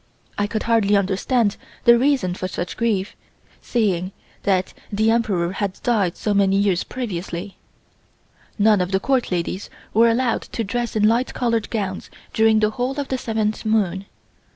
I could hardly understand the reason for such grief, seeing that the Emperor had died so many years previously. None of the Court ladies were allowed to dress in light coloured gowns during the whole of the seventh moon.